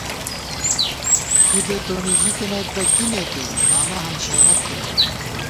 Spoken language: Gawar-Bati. کھُدے تونی ژِتَنَئیت بہ کی نېتے ، بالہ ہنشارت کېرون